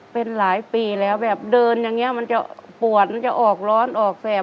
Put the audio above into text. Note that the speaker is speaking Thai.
เป็นหลายปีแล้วแบบเดินอย่างนี้มันจะปวดมันจะออกร้อนออกแสบ